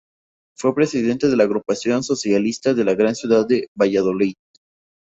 Fue presidente de la Agrupación Socialista de Gran Ciudad de Valladolid.